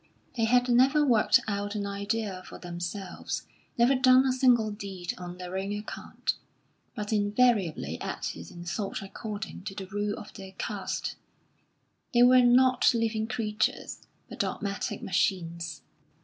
They had never worked out an idea for themselves, never done a single deed on their own account, but invariably acted and thought according to the rule of their caste. They were not living creatures, but dogmatic machines.